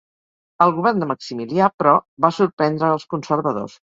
El govern de Maximilià, però, va sorprendre els conservadors.